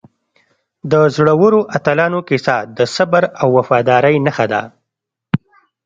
د زړورو اتلانو کیسه د صبر او وفادارۍ نښه ده.